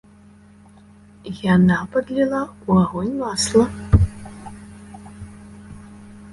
Яна падліла ў агонь масла.